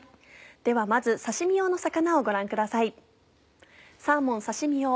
ではまず刺身用の魚をご覧ください。